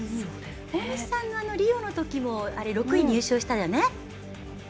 大西さんはリオのときも６位入賞したよね。